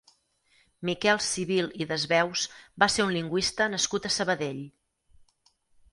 Miquel Civil i Desveus va ser un lingüista nascut a Sabadell.